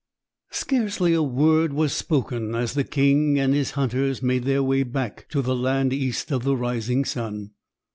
Scarcely a word was spoken as the king and his hunters made their way back to the land East of the Rising Sun.